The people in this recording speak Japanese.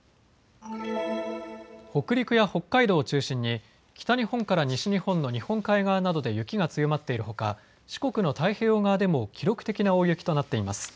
北陸や北海道を中心に北日本から西日本の日本海側などで雪が強まっているほか四国の太平洋側でも記録的な大雪となっています。